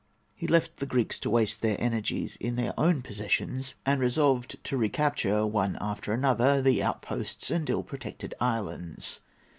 He left the Greeks to waste their energies in their own possessions, and resolved to recapture, one after another, the outposts and ill protected islands.